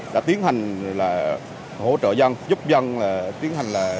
đã tiến hành hỗ trợ dân giúp dân